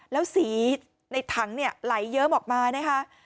แล้วสีในถังเนี่ยไหลเยิ้มออกมานะคะ